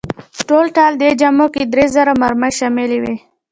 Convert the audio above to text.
ټولټال دې جامو کې درې زره مرۍ شاملې وې.